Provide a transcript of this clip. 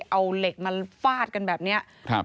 เอาเหล็กมาฟาดกันแบบนี้ครับ